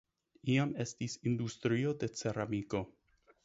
Iam estis industrio de ceramiko.